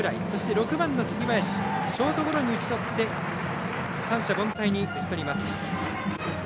６番の杉林をショートゴロに打ち取って三者凡退に打ち取ります。